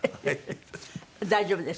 大丈夫です。